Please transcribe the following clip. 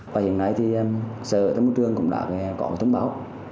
và hiện nay thì sở thống trường cũng đã có thông báo